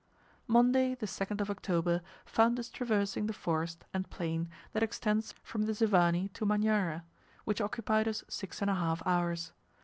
Monday, the 2nd of October, found us traversing the forest and plain that extends from the Ziwani to Manyara, which occupied us six and a half hours.